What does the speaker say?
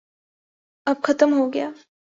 اب ختم ہوگیا۔